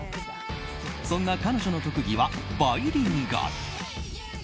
そんな彼女の特技はバイリンガル。